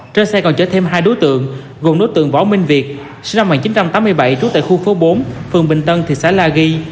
trên xe còn chở thêm hai đối tượng gồm đối tượng võ minh việt sinh năm một nghìn chín trăm tám mươi bảy trú tại khu phố bốn phường bình tân thị xã la ghi